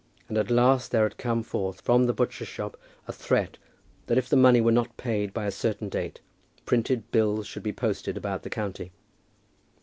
And at last there had come forth from the butcher's shop a threat that if the money were not paid by a certain date, printed bills should be posted about the county.